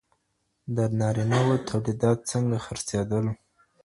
د نارينه وو توليدات څنګه خرڅېدل؟